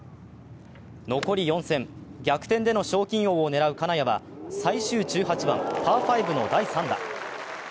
残り４戦、逆転での賞金王を狙う金谷は最終１８番パー５の第３打。